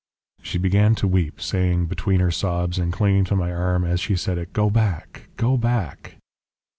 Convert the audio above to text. "She began to weep, saying, between her sobs, and clinging to my arm as she said it, 'Go back Go back.'